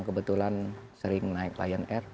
kebetulan sering naik lion air